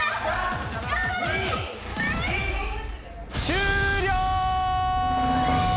終了！